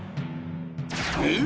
えっ！？